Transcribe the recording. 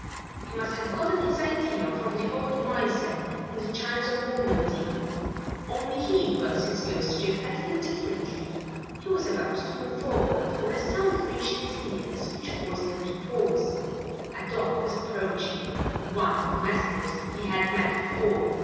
He must have gotten his idea from the old miser in the 'Chimes of Normandy,' only he works his ghostship a little differently." He was about to move forward when a sound reached his ears which caused him to pause. A dog was approaching one of the mastiffs he had met before.